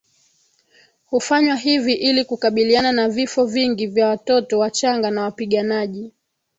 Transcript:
Hufanywa hivi ili kukabiliana na vifo vingi vya watoto wachanga na wapiganaji